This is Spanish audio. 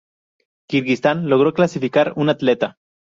Kirguistán logro clasificar un atleta.